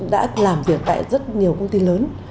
đã làm việc tại rất nhiều công ty lớn